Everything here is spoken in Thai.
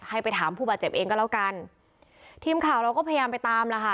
ให้ไปถามผู้บาดเจ็บเองก็แล้วกันทีมข่าวเราก็พยายามไปตามแล้วค่ะ